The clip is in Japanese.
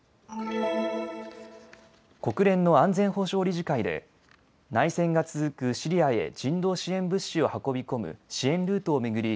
国連の安全保障理事会で内戦が続くシリアへ人道支援物資を運び込む支援ルートを巡り